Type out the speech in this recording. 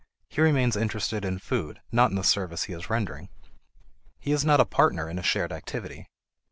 He remains interested in food, not in the service he is rendering. He is not a partner in a shared activity.